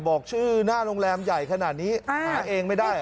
บอกชื่อหน้าโรงแรมใหญ่ขนาดนี้หาเองไม่ได้